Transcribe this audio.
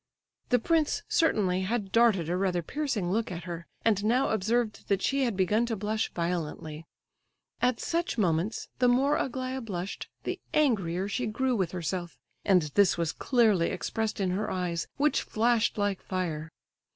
The prince certainly had darted a rather piercing look at her, and now observed that she had begun to blush violently. At such moments, the more Aglaya blushed, the angrier she grew with herself; and this was clearly expressed in her eyes, which flashed like fire.